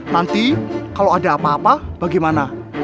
nanti kalau ada apa apa bagaimana